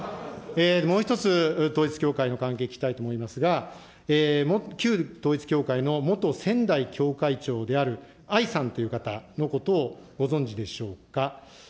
もう一つ、統一教会の関係聞きたいと思いますが、旧統一教会の元仙台教会長であるあいさんという方のことをご存じでしょうか。